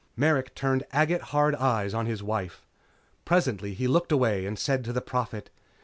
Merrick turned agate hard eyes on his wife. Presently he looked away and said to the Prophet.